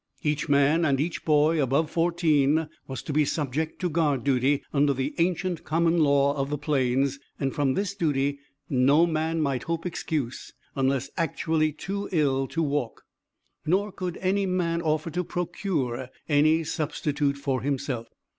Each man and each boy above fourteen was to be subject to guard duty under the ancient common law of the Plains, and from this duty no man might hope excuse unless actually too ill to walk; nor could any man offer to procure any substitute for himself.